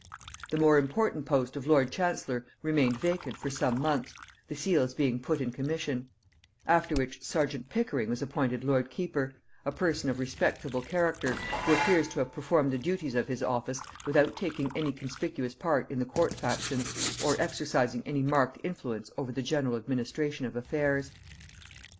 The more important post of lord chancellor remained vacant for some months, the seals being put in commission; after which serjeant Pickering was appointed lord keeper, a person of respectable character, who appears to have performed the duties of his office without taking any conspicuous part in the court factions, or exercising any marked influence over the general administration of affairs.